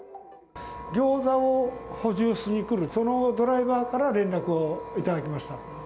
ギョーザを補充しに来る、そのドライバーから連絡を頂きました。